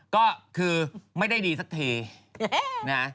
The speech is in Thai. ก็คือไม่ได้ดีสักทีนะ